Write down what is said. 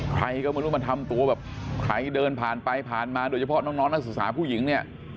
ใครก็ไม่รู้มาทำตัวแบบใครเดินผ่านไปผ่านมาโดยเฉพาะน้องนักศึกษาผู้หญิงเนี่ย